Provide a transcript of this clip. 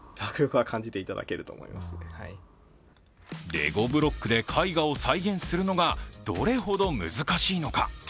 レゴブロックで絵画を再現するのがどれほど難しいのか。